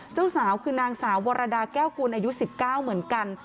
เจ้าสาวคือนางสาววรดาแก้วกุลอายุ๑๙เหมือนกัน